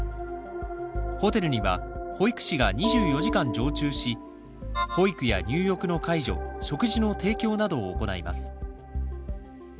ホテルには保育士が２４時間常駐し保育や入浴の介助食事の提供などを行います。